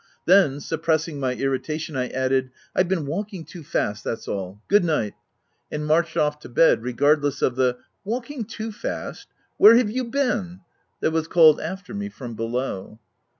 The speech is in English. Then, suppressing my irritation, I added, " I've been walking too fast, that's all. Good night/' and marched off to bed, regardless of the " Walking too fast ! where have you been ?" that was called after me from below.